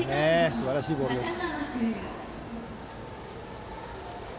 すばらしいボールです。